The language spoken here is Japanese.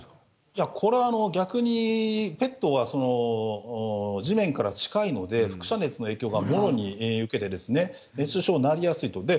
いや、これは逆にペットは、地面から近いので、ふく射熱の影響がもろに受けて、熱中症なりやすいと。